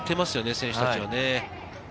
選手たちはね。